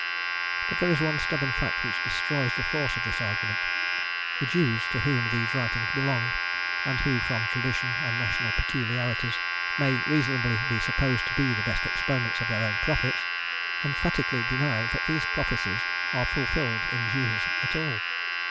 But there is one stubborn fact which destroys the force of this argument: the Jews, to whom these writings belong, and who from tradition and national peculiarities may reasonably be supposed to be the best exponents of their own prophets, emphatically deny that these prophecies are fulfilled in Jesus at all.